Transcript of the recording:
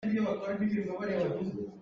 Lai Tlang ahcun November hi sikpar a si.